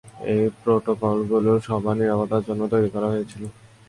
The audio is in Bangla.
এই প্রোটোকলগুলো সবার নিরাপত্তার জন্য তৈরী করা হয়েছিল।